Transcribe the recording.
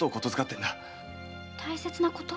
大切なこと？